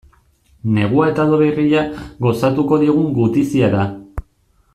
Negua eta udaberria gozatuko digun gutizia da.